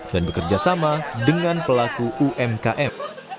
dan bekerjasama dengan pelaku umkm